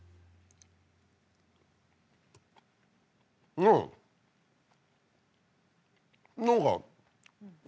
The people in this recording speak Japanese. うん。何か。